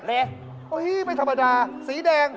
นี่ไม่ธรรมดาสีแดง